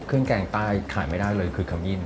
เครื่องแกงใต้ขายไม่ได้เลยคือขมิ้น